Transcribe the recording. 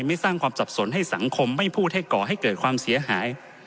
ไม่สร้างความสับสนให้สังคมไม่พูดให้ก่อให้เกิดความเสียหาย